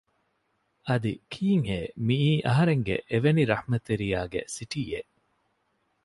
އަދި ކީއްހޭ މިއީ އަހަރެންގެ އެވެނި ރަޙްމަތްރެތިޔާގެ ސިޓީއެއް